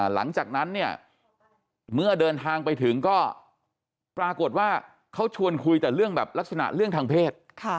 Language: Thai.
หลังจากนั้นเนี่ยเมื่อเดินทางไปถึงก็ปรากฏว่าเขาชวนคุยแต่เรื่องแบบลักษณะเรื่องทางเพศ